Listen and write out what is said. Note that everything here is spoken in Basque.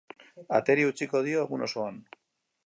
Ateri eutsiko dio egun osoan.